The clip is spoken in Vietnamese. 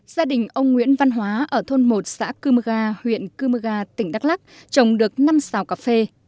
gia đình ông nguyễn văn hóa ở thôn một xã cưm gà huyện cưm gà tỉnh đắk lắc trồng được năm xào cà phê